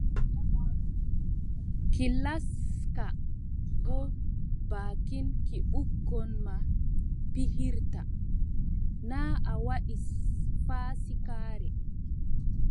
Ki laska boo baakin ki ɓikkon ma pijirta, na a waɗi faasikaare.